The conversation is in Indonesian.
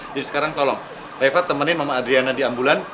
jadi sekarang tolong reva temenin mama adriana di ambulan